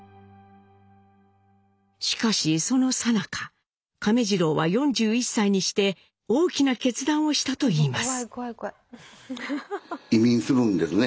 しかしそのさなか亀治郎は４１歳にして大きな決断をしたといいます。